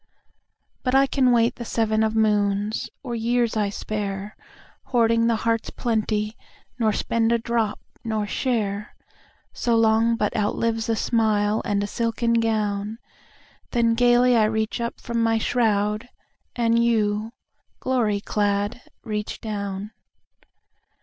But I can wait the seven of moons, Or years I spare, Hoarding the heart's plenty, nor spendA drop, nor share—So long but outlives a smile andA silken gown; Then gaily I reach up from my shroud, And you, glory clad, reach down.